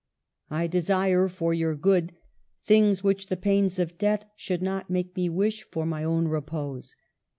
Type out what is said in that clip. " I desire, for your good, things which the pains of death should not make me wish for my own repose."